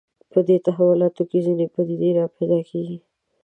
په دې تحولاتو کې ځینې پدیدې راپیدا کېږي